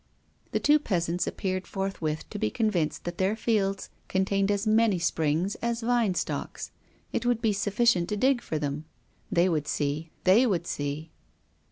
The two peasants appeared forthwith to be convinced that their fields contained as many springs as vine stalks. It would be sufficient to dig for them they would see, they would see.